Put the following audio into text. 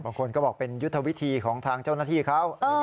บางคนก็บอกเป็นยุทธวิธีของทางเจ้าหน้าที่เขา